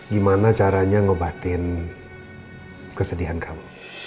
gimana caranya ngobatin kesedihan kamu